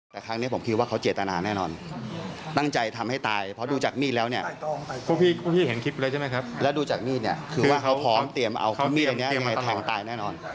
เพราะว่าคนแบบนี้น่ากลัวแน่นอน